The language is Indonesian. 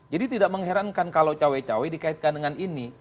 jadi tidak mengherankan kalau cowok cowok dikaitkan dengan ini